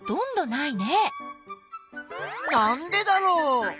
なんでだろう？